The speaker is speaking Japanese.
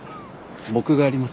僕がやります。